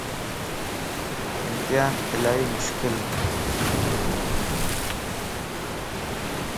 امتيان الائي مشڪلَ